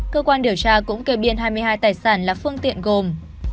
cơ quan điều tra cũng kê biên hai mươi hai tài sản là phương tiện gồm